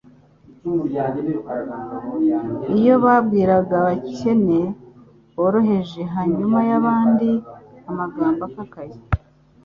Iyo babwiraga abakene boroheje hanyuma y'abandi amagambo akakaye,